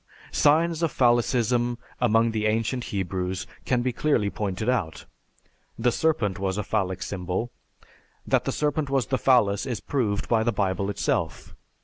Signs of phallicism among the ancient Hebrews can be clearly pointed out; the serpent was a phallic symbol. "That the serpent was the phallus is proved by the Bible itself.